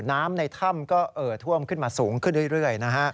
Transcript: น้ำในถ้ำก็เอ่อท่วมขึ้นมาสูงขึ้นเรื่อยนะฮะ